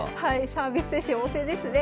サービス精神旺盛ですね。